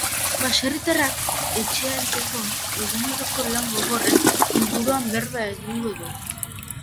Baserritarrak etxaldeko eguneroko lan gogorren inguruan berba egingo du.